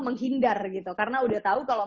menghindar gitu karena udah tahu kalau